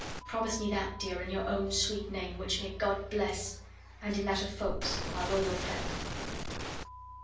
Promise me that, dear, in your own sweet name, which may God bless, and in that of Ffoulkes, our loyal friend."